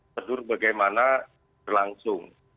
sedur bagaimana berlangsung